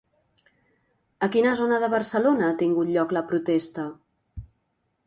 A quina zona de Barcelona ha tingut lloc la protesta?